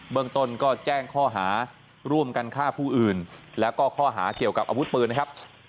เมืองต้นก็แจ้งข้อหาร่วมกันฆ่าผู้อื่นแล้วก็ข้อหาเกี่ยวกับอาวุธปืนนะครับ